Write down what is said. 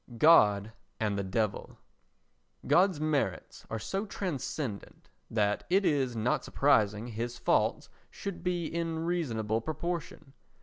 God and the Devil God's merits are so transcendent that it is not surprising his faults should be in reasonable proportion.